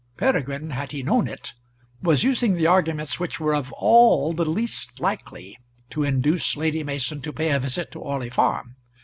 Peregrine, had he known it, was using the arguments which were of all the least likely to induce Lady Mason to pay a visit to Orley Farm.